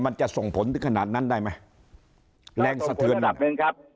มันจะส่งผลถึงขนาดนั้นได้ไหมแรงสะเทือนหนักหนึ่งครับ